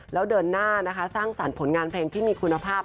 แล้วเดินหน้านะคะสร้างสรรค์ผลงานเพลงที่มีคุณภาพ